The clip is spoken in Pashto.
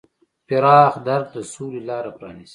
پراخ درک د سولې لاره پرانیزي.